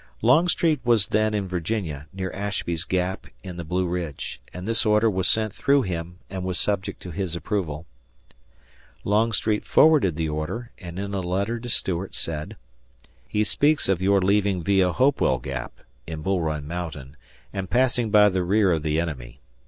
Longstreet was then in Virginia, near Ashby's Gap in the Blue Ridge, and this order was sent through him and was subject to his approval. Longstreet forwarded the order, and in a letter to Stuart said: He speaks of your leaving via Hopewell Gap [in Bull Run Mountain] and passing by the rear of the enemy.